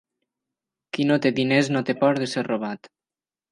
Qui no té diners no té por de ser robat.